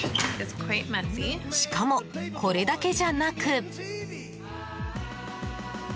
しかも、これだけじゃなく。